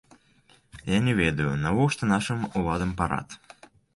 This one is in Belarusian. Я не ведаю, навошта нашым уладам парад.